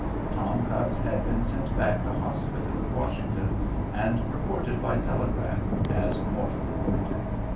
Tom Cutts had been sent back to hospital at Washington, and reported by telegraph as mortally wounded.